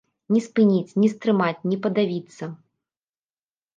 Не спыніць, не стрымаць, не падавіцца.